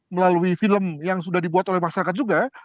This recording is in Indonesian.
melalui film yang sudah dibuat oleh masyarakat juga